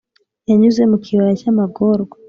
yanyuze mu kibaya cy'amagorwa,